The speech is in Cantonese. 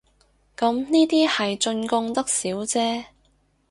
咁呢啲係進貢得少姐